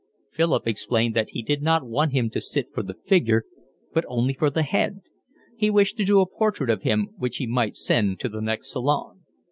Philip explained that he did not want him to sit for the figure, but only for the head; he wished to do a portrait of him which he might send to the next Salon.